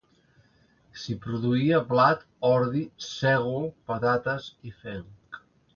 S'hi produïa blat, ordi, sègol, patates i fenc.